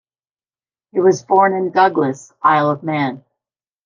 He was born in Douglas, Isle of Man.